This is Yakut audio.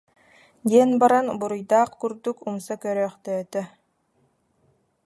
диэн баран буруйдаах курдук умса көрөөхтөөтө